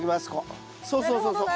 そうそうそうそう。